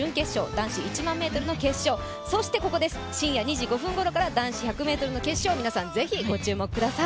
男子１００００ｍの決勝、そして深夜２時５分ごろから男子１００ｍの決勝、ぜひ皆さんご注目ください。